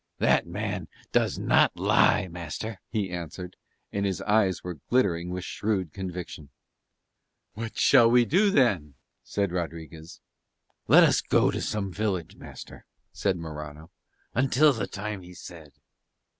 "That man does not lie, master," he answered: and his eyes were glittering with shrewd conviction. "What shall we do then?" said Rodriguez. "Let us go to some village, master," said Morano, "until the time he said."